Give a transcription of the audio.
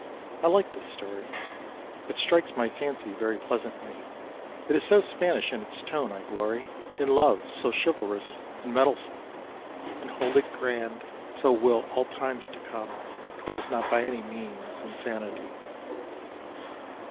I like the story: It strikes my fancy very pleasantly; It is so Spanish in its tone. I glory In love, so chivalrous and mettlesome, And hold it grand (so will all times to come). 'Twas not by any means insanity.